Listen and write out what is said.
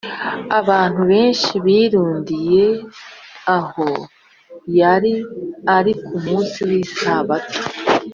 abantu benshi birundiye aho yari ari ku munsi w’isabato